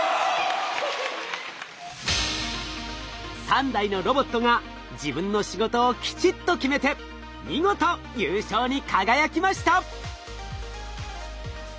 ３台のロボットが自分の仕事をきちっと決めて見事優勝に輝きました。